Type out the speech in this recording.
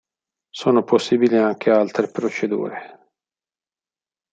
Sono possibili anche altre procedure.